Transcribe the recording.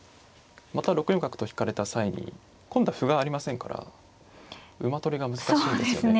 ただ６四角と引かれた際に今度は歩がありませんから馬取りが難しいんですよね。